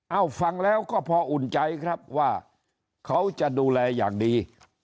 ฟังแล้วก็พออุ่นใจครับว่าเขาจะดูแลอย่างดี